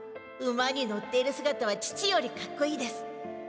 馬に乗っているすがたは父よりかっこいいです。